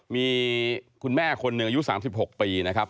มีคุณแม่คนหนึ่งอายุ๓๖ปีนะครับ